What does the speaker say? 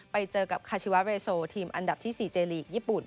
ไปเจอกับทีมอันดับที่สี่เจรีย์ลีกญี่ปุ่น